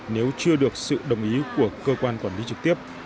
nếu chưa được sự đồng ý của cơ quan quản lý trực tiếp